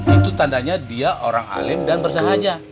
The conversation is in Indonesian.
itu tandanya dia orang alim dan bersahaja